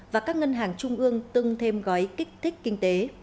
và các ngân hàng trung ương tương thêm gói kích thích kinh tế